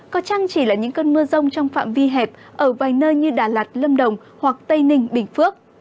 có chăng chỉ là những cơn mưa rông trong phạm vi hẹp ở vài nơi như đà lạt lâm đồng hoặc tây ninh bình phước